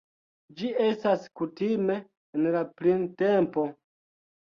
Ĝi estas kutime en la printempo.